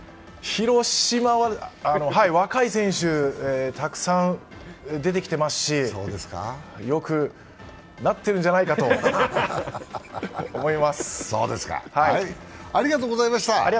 広島若い選手、たくさん出てきていますし、よくなっているんじゃないかと思います。